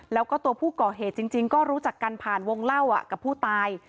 แล้วก็ตัวผู้ก่อเหตุจริงก็รู้จักกันผ่านวงเล่ากับผู้ตาย